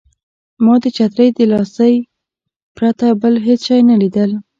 ما د چترۍ د لاسۍ پرته بل هېڅ شی نه لیدل.